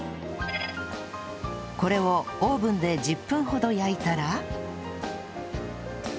これをオーブンで１０分ほど焼いたら